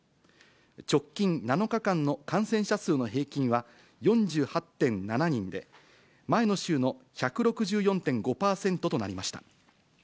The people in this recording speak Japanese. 直近７日間の感染者数の平均は、４８．７人で、前の週の１６４．５％となりました。